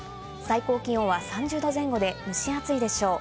最高気温は３０度前後で蒸し暑いでしょう。